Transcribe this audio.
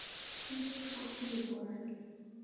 春秋时期鲁国人。